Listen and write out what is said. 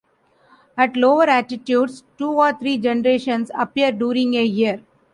At lower altitudes, two or three generations appear during a year.